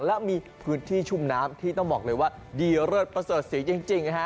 และมีพื้นที่ชุ่มน้ำที่ต้องบอกเลยว่าดีเลิศประเสริฐศรีจริงนะฮะ